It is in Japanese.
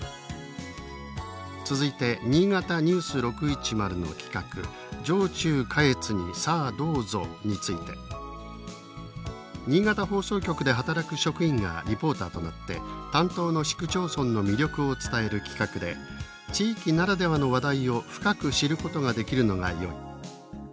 続いて新潟ニュース６１０の企画「上中下越に佐渡ぞ！」について「新潟放送局で働く職員がリポーターとなって担当の市区町村の魅力を伝える企画で地域ならではの話題を深く知ることができるのがよい。